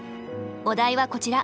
お題はこちら。